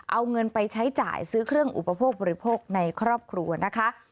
เอาเงินไปใช้จ่ายซื้อเครื่องอุปโภคบริโภคในครอบครัวนะคะ